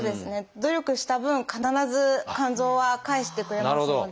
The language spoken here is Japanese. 努力した分必ず肝臓は返してくれますので。